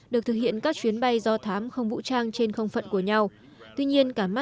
được ký kết từ năm hai nghìn hai